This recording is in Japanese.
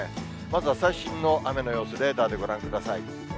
まずは最新の雨の様子、レーダーでご覧ください。